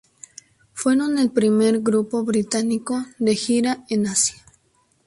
Fueron el primer grupo británico de gira en Asia.